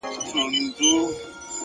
چي توري څڼي پرې راوځړوې ـ